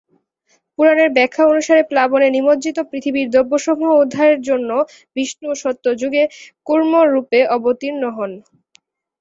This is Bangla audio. পুরাণের ব্যাখ্যা অনুসারে প্লাবনে নিমজ্জিত পৃথিবীর দ্রব্যসমূহ উদ্ধারের জন্য বিষ্ণু সত্যযুগে কূর্মরূপে অবতীর্ণ হন।